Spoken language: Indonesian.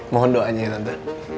mohon doanya ya tante